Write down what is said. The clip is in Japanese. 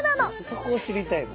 そこを知りたいの。